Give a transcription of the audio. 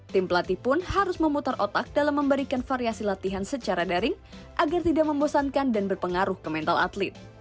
tim pelatih pun harus memutar otak dalam memberikan variasi latihan secara daring agar tidak membosankan dan berpengaruh ke mental atlet